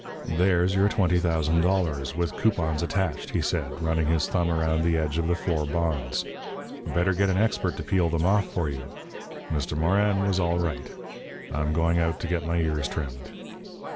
"There's your twenty thousand dollars, with coupons attached," he said, running his thumb around the edge of the four bonds. "Better get an expert to peel them off for you. Mister Morin was all right. I'm going out to get my ears trimmed."